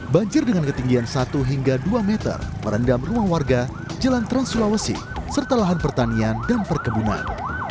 banjir dengan ketinggian satu hingga dua meter merendam rumah warga jalan trans sulawesi serta lahan pertanian dan perkebunan